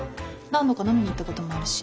何度か飲みに行ったこともあるし。